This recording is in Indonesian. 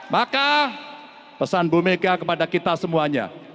maka pesan bumegga kepada kita semuanya